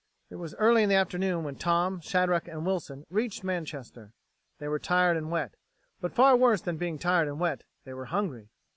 It was early in the afternoon when Tom, Shadrack, and Wilson reached Manchester. They were tired and wet, but far worse than being tired and wet, they were hungry.